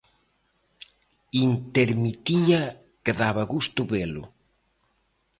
intermitía que daba gusto velo.